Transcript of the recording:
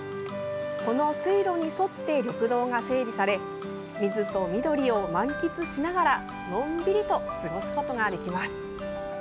この水路に沿って緑道が整備され水と緑を満喫しながらのんびりと過ごすことができます。